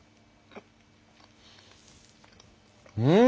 うん！